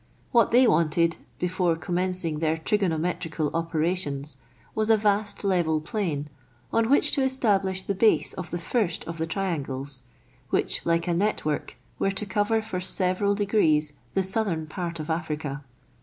What they wanted, before commencing their trigonometrical operations, was a vast level plain, on which to establish the base of the first of the triangles, which, like a network, were to cover for several degrees the southern part of Africa.